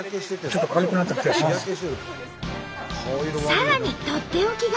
さらにとっておきが。